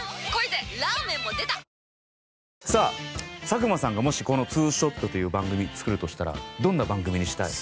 佐久間さんがもしこの『２ショット』という番組作るとしたらどんな番組にしたい？